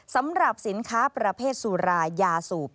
สำหรับสินค้าประเภทสุรายาสูบ